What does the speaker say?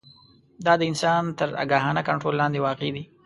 دا د انسان تر آګاهانه کنټرول لاندې واقع دي.